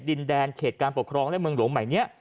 ดินแดนเขตการปกครองและเมืองหลวงใหม่นี้